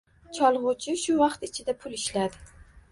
Cholgʻuchi shu vaqt ichida pul ishladi